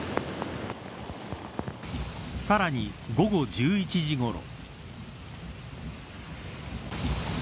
さらに午後１１時ごろ。